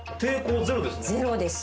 ゼロです。